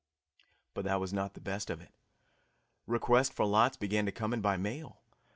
But that was not the best of it. Requests for lots began to come in by mail.